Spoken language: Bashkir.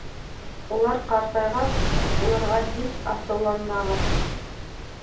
Улар ҡартайғас, уларға һис асыуланмағыҙ.